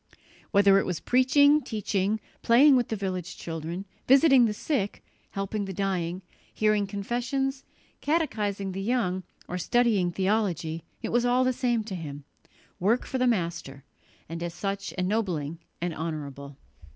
Whether it was preaching, teaching, playing with the village children, visiting the sick, helping the dying, hearing confessions, catechizing the young or studying theology, it was all the same to him work for the Master, and as such ennobling and honourable.